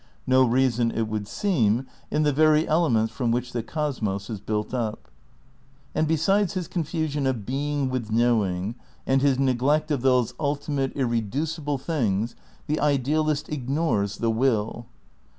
No reason, it would seem, in the very elements from which the cosmos is built up. And besides his confusion of being with knowing, and his neglect of those ultimate, irreducible things, the idealist ignores the WUl.